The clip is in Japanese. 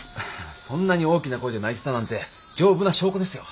そんなに大きな声で泣いてたなんて丈夫な証拠ですよ。